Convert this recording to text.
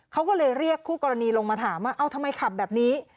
เขาก็เลยเรียกคู่กรณีลงมาถามว่าเอาทำไมขับแบบนี้